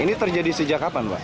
ini terjadi sejak kapan pak